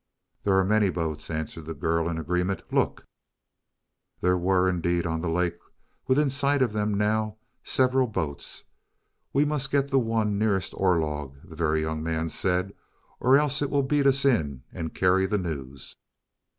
"There are many boats," answered the girl in agreement. "Look!" There were, indeed, on the lake, within sight of them now, several boats. "We must get the one nearest Orlog," the Very Young Man said. "Or else it will beat us in and carry the news."